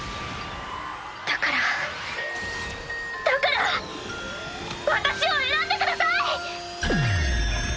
だからだから私を選んでください！